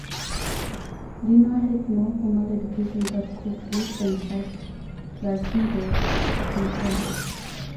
Lenoir had no formal education, but could read and write Latin, Greek, and French.